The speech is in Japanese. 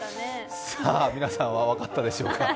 さあ、皆さんは分かったでしょうか